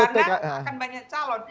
karena akan banyak calon